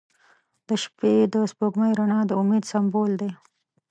• د شپې د سپوږمۍ رڼا د امید سمبول دی.